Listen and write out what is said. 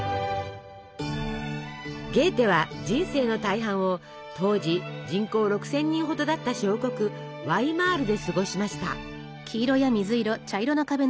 ゲーテは人生の大半を当時人口６，０００人ほどだった小国ワイマールで過ごしました。